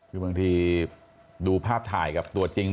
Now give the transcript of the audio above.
คือบางทีดูภาพถ่ายกับตัวจริง